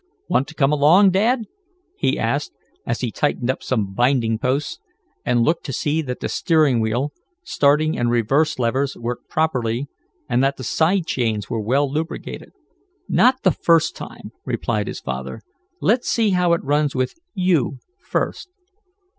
"Want to come along, Dad?" he asked, as he tightened up some binding posts, and looked to see that the steering wheel, starting and reverse levers worked properly, and that the side chains were well lubricated. "Not the first time," replied his father. "Let's see how it runs with you, first."